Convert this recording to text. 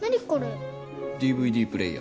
ＤＶＤプレーヤー。